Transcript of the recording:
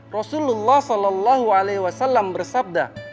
rasulullah saw bersabda